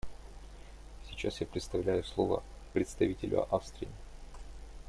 Сейчас я предоставляю слово представителю Австрии.